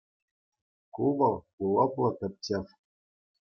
Ку вӑл — улӑпла тӗпчев.